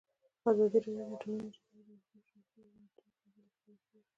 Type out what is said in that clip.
ازادي راډیو د اټومي انرژي په اړه د مخکښو شخصیتونو خبرې خپرې کړي.